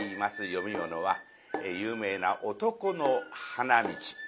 読み物は有名な「男の花道」。